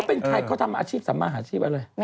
เป็นด๊อคเตอร์เขาติดปริญญาเอกเรียบร้อย